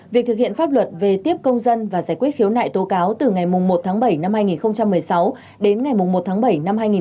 việc thực hiện pháp luật về tiếp công dân và giải quyết khiếu nại tố cáo từ ngày một bảy hai nghìn một mươi sáu đến ngày một bảy hai nghìn hai mươi một